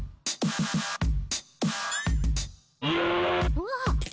うわっ！